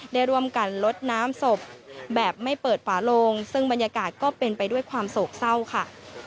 ได้ร่วมกันลดน้ำศพแบบไม่เปิดฝาโลงซึ่งบรรยากาศก็เป็นไปด้วยความโศกเศร้าค่ะ